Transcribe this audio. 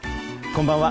こんばんは。